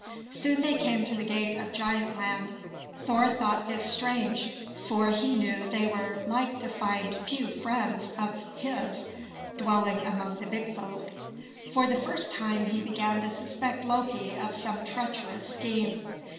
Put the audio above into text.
Soon they came to the gate of Giant Land. Thor thought this strange, for he knew they were like to find few friends of his dwelling among the Big Folk. For the first time he began to suspect Loki of some treacherous scheme.